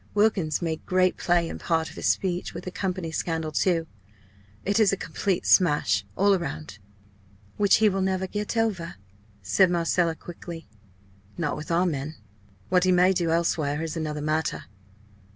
Wilkins made great play in part of his speech with the Company scandal too. It is a complete smash all round." "Which he will never get over?" said Marcella, quickly. "Not with our men. What he may do elsewhere is another matter.